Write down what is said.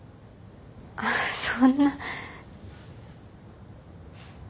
あっそんな。